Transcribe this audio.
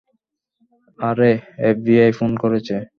আরে, FBI phone করেছে।